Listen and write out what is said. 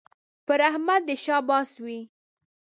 پر احمد دې شاباس وي